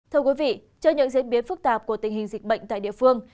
trên những diễn biến phức tạp của tình hình dịch bệnh tại địa phương